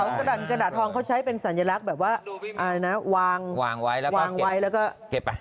เผากระดาษกระดาษทองเขาใช้เป็นสัญลักษณ์แบบว่าวางไว้แล้วก็เก็บไป